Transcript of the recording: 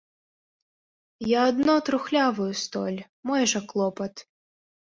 Я адно трухлявую столь, мой жа клопат.